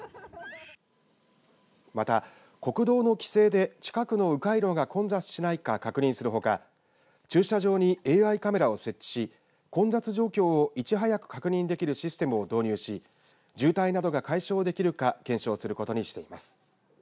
また、国道の規制で近くのう回路が混雑しないか確認するほか駐車場にＡＩカメラを設置し混雑状況をいち早く確認できるシステムを導入し渋滞などが解消できるか検証することにしています。